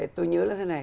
tôi nhớ là thế này